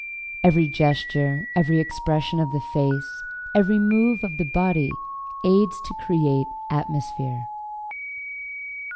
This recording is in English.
Every gesture, every expression of the face, every move of the body aids to create atmosphere.